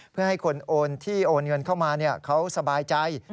เพื่อให้คนโอนที่โอนเงินเข้ามาเขาสบายใจ